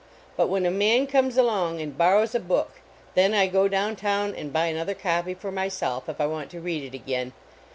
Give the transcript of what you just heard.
But when a man comes along and borrows a book, then I go down town and buy another ropy for myself, if I want to read it again.